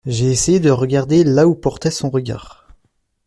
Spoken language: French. J’ai essayé de regarder là où portait son regard.